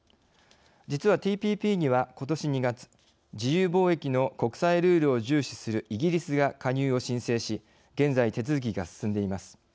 実はＴＰＰにはことし２月自由貿易の国際ルールを重視するイギリスが加入を申請し現在手続きが進んでいます。